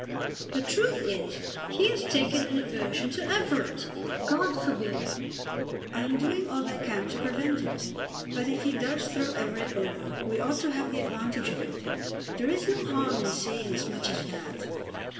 "The truth is he has taken an aversion to Everett." "God forbid!" "I am doing all I can to prevent it. But if he does throw Everett over we ought to have the advantage of it. There is no harm in saying as much as that.